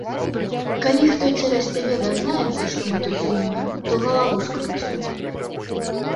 Калі хто цераз цябе дазнаецца, што мы тут зімуем, то галаву скруцім.